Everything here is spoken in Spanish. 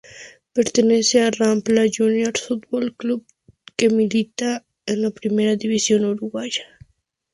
Pertenece a Rampla Juniors Fútbol Club que milita en la Primera División Uruguaya.